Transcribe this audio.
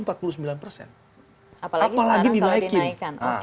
apalagi sekarang kalau dinaikkan